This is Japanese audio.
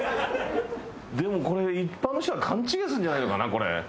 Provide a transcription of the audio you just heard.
でもこれ一般の人が勘違いするんじゃないのかなこれ。